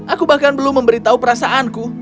aku bahkan belum memberitahu perasaanku